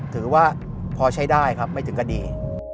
ถือว่าพอใช้ได้ครับไม่ถึงคดี